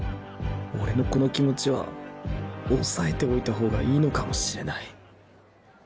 俺のこの気持ちは抑えておいたほうがいいのかもしれない